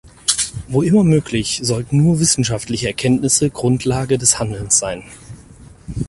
Wo immer möglich, sollten nur wissenschaftliche Erkenntnisse Grundlage des Handelns sein.